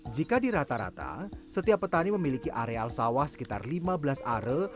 jika dirata rata setiap petani memiliki areal sawah sekitar lima belas arel